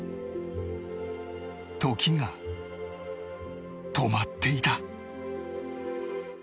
時が止まっていた